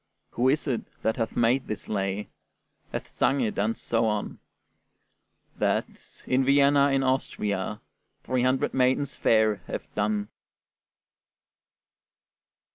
Who is it that hath made this lay, Hath sung it, and so on? That, in Vienna in Austria, Three maidens fair have done.